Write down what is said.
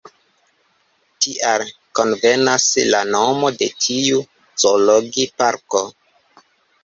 Tial konvenas la nomo de tiu zoologi-parko.